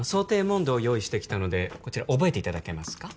問答用意してきたのでこちら覚えていただけますか？